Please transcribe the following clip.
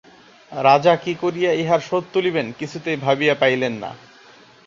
রাজা কী করিয়া ইহার শোধ তুলিবেন কিছুতেই ভাবিয়া পাইলেন না।